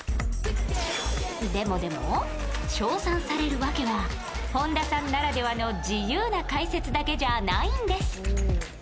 でもでも、称賛されるわけは本田さんならではの自由な解説だけじゃないんです。